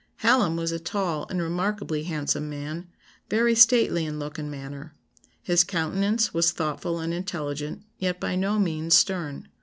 ] "Hallam was a tall and remarkably handsome man, very stately in look and manner. His countenance was thoughtful and intelligent, yet by no means stern.